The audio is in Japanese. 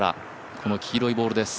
この黄色いボールです。